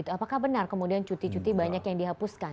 apakah benar kemudian cuti cuti banyak yang dihapuskan